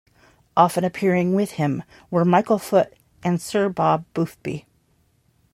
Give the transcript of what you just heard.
Often appearing with him were Michael Foot and Sir Bob Boothby.